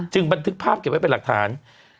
บันทึกภาพเก็บไว้เป็นหลักฐาน